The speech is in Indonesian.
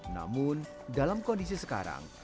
namun dalam kondisi sekarang